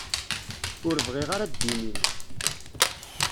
Ur bɣiɣ ara ddin-im.